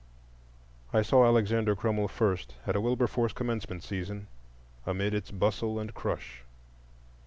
I saw Alexander Crummell first at a Wilberforce commencement season, amid its bustle and crush.